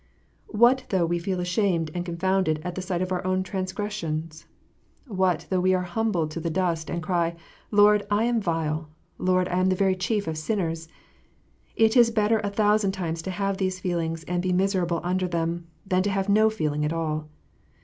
What though we feel ashamed and confounded at the sight of our own transgressions ! What though we are humbled to the dust, and cry, " Lord, I am vile. Lord, I am the very chief of sinners !" It is better a thousand times to have these feelings and be miserable under them, than to have no feelings at all.